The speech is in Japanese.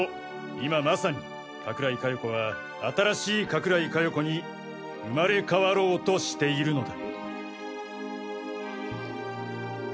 今まさに加倉井加代子は新しい加倉井加代子に生まれ変わろうとしているのだ！